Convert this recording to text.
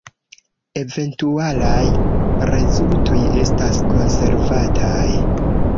Eventualaj rezultoj estas konservataj.